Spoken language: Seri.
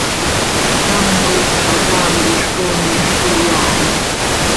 Ctam cop zacaam quij comiix cöiyaai.